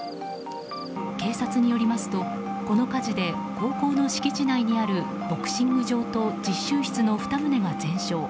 警察によりますとこの火事で高校の敷地内にあるボクシング場と実習室の２棟が全焼。